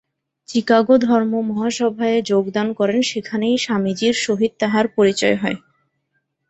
চিকাগো ধর্মমহাসভায় যোগদান করেন, সেখানেই স্বামীজীর সহিত তাঁহার পরিচয় হয়।